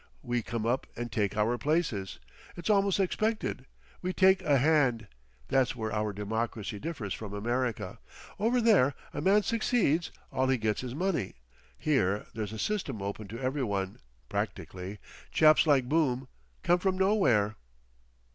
We come up and take our places. It's almost expected. We take a hand. That's where our Democracy differs from America. Over there a man succeeds; all he gets is money. Here there's a system open to every one—practically.... Chaps like Boom—come from nowhere."